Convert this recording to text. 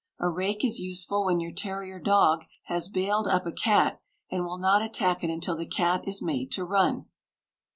A rake is useful when your terrier dog has bailed up a cat, and will not attack it until the cat is made to run.